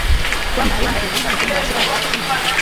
kwamba Rwanda inaunga mkono waasi hao na kusema maana